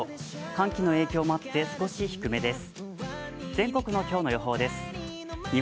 寒気の影響もあって少し低めです。